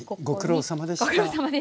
ご苦労さまでした。